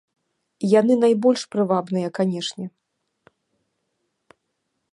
Яны найбольш прывабныя, канешне.